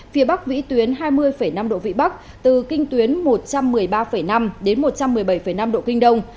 phía bắc vĩ tuyến hai mươi năm độ vị bắc từ kinh tuyến một trăm một mươi ba năm đến một trăm một mươi bảy năm độ kinh đông